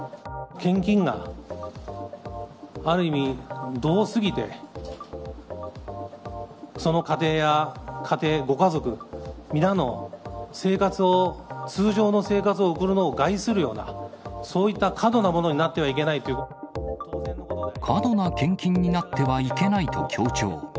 献金が、ある意味、度を過ぎて、その家庭や、家庭、ご家族、皆の生活を、通常の生活を送るのを害するような、そういった過度なものになっ過度な献金になってはいけないと強調。